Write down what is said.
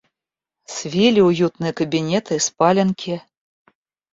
Свили уютные кабинеты и спаленки.